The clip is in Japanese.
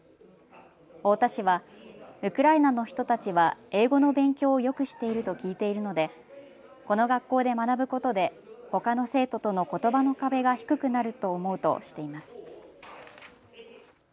太田市は、ウクライナの人たちは英語の勉強をよくしていると聞いているのでこの学校で学ぶことでほかの生徒とのことばの壁が低くなると思うとしています。